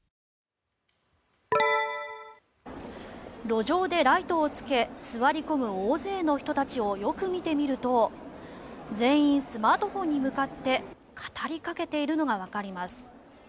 路上でライトをつけ座り込む大勢の人たちをよく見てみると全員、スマートフォンに向かって語りかけているのがわかります。